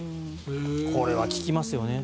これは聞きますよね。